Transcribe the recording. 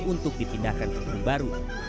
untuk dipindahkan ke gunung baru